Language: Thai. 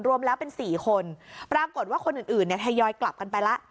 รวมแล้วเป็น๔คนปรากฏว่าคนอื่นเนี่ยทยอยกลับกันไปแล้ว